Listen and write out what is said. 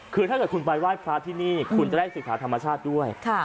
คือถ้าเกิดคุณไปไหว้พระที่นี่คุณจะได้ศึกษาธรรมชาติด้วย